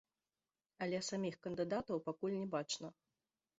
Але саміх кандыдатаў пакуль не бачна.